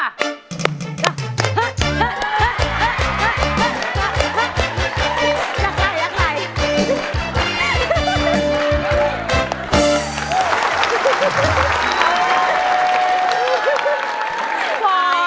แล้วใครแล้วใคร